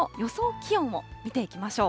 気温も見ていきましょう。